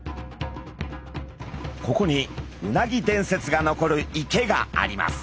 ここにうなぎ伝説が残る池があります。